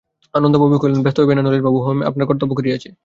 অন্নদাবাবু কহিলেন, ব্যস্ত হইবেন না নলিনবাবু, হেম আপনার কর্তব্য করিয়াছে।